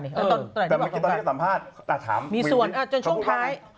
แต่เมื่อกี้ตอนที่สัมภาษณ์อาจถามวิววิว